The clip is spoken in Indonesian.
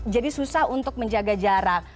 jadi susah untuk menjaga jarak